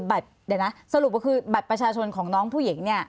บัตรเดี๋ยวนะสรุปก็คือบัตรประชาชนของน้องผู้หญิงเนี่ย